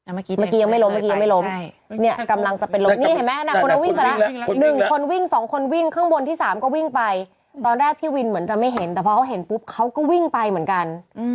เมื่อกี้เมื่อกี้ยังไม่ล้มเมื่อกี้ยังไม่ล้มเนี่ยกำลังจะเป็นล้มนี่เห็นไหมนางคนนั้นวิ่งไปแล้ว๑คนวิ่ง๒คนวิ่งข้างบนที่๓ก็วิ่งไปตอนแรกพี่วินเหมือนจะไม่เห็นแต่พอเขาเห็นปุ๊บเขาก็วิ่งไปเหมือนกัน